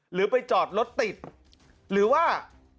หรือไปจอดรถติดหรือว่า